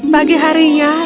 pagi hari yang sama